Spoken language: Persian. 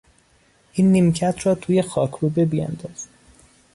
این نیمکت را توی خاکروبه بیانداز.